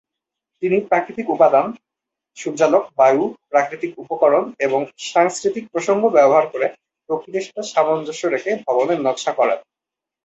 তিনি প্রাকৃতিক উপাদান, সূর্যালোক, বায়ু, প্রাকৃতিক উপকরণ এবং সাংস্কৃতিক প্রসঙ্গ ব্যবহার করে প্রকৃতির সাথে সামঞ্জস্য রেখে ভবনের নকশা করেন।